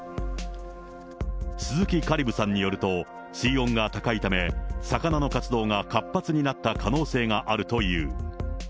鈴木香里武さんによると、水温が高いため、魚の活動が活発になった可能性があるという。